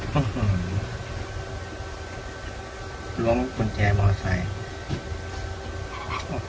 หอฮือล้วงก้นแจมอเตอร์ไซค์